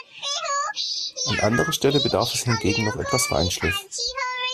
An anderer Stelle bedarf es hingegen noch etwas Feinschliff.